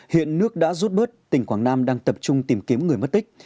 hiện nước đã rút bớt tỉnh quảng nam đang tập trung tìm kiếm người mất tích